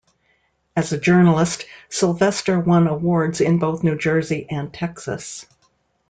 As a journalist, Sylvester won awards in both New Jersey and Texas.